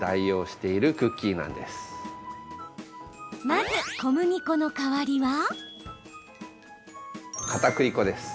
まず、小麦粉の代わりは。